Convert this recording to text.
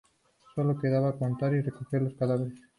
Sólo quedaba contar y recoger los cadáveres.